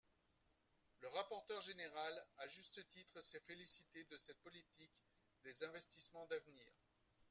Le rapporteur général, à juste titre, s’est félicité de cette politique des investissements d’avenir.